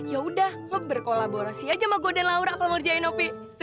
yaudah berkolaborasi aja sama gue dan laura kalau ngerjain opi setuju